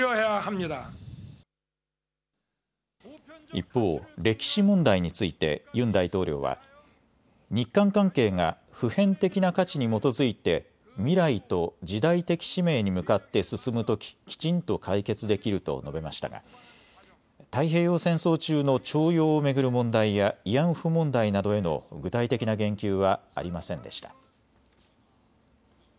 一方、歴史問題についてユン大統領は日韓関係が普遍的な価値に基づいて未来と時代的使命に向かって進むとききちんと解決できると述べましたが太平洋戦争中の徴用を巡る問題や慰安婦問題などへの具体的な言及はありませんでした。